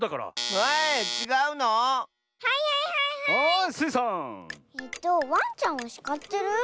えっとわんちゃんをしかってる？